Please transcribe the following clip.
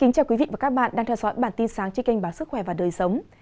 cảm ơn các bạn đã theo dõi và ủng hộ cho bản tin sáng trên kênh bản sức khỏe và đời sống